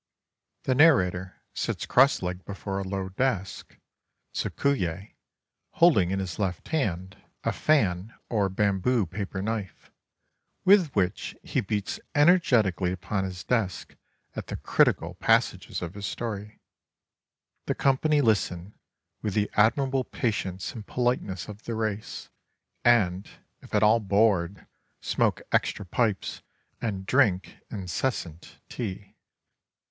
The narrator sits cross legged before a low desk, tsukue, holding in his left hand 284 THE JAPANESE STORY TELLER a fan, or bamboo paper knife, with which he beats en ergetically upon his desk at the critical passages of his story. The company listen, with the admirable patience and politeness of the race; and, if at all bored, smoke extra pipes and drink incessant tea.